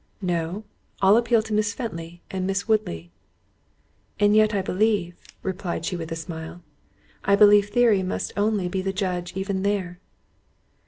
"No; I'll appeal to Miss Fenton and Miss Woodley." "And yet, I believe," replied she with a smile, "I believe theory must only be the judge even there."